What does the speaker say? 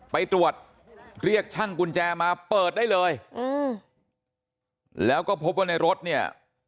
ไปตรวจเรียกช่างกุญแจมาเปิดได้เลยอืมแล้วก็พบว่าในรถเนี่ย